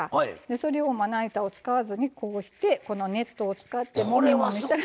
それをまな板を使わずにこうしてこのネットを使ってもみもみしたら。